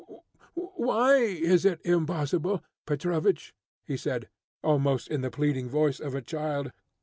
"Why is it impossible, Petrovich?" he said, almost in the pleading voice of a child.